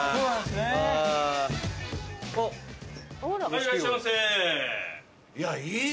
はいいらっしゃいませ。